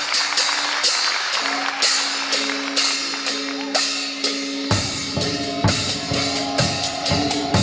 สวัสดีสวัสดี